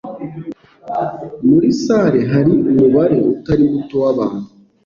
Muri salle hari umubare utari muto wabantu